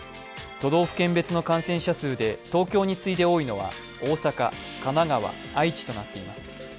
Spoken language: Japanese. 都道府県別の感染者数で東京に次いで多いのが大阪神奈川、愛知となっています。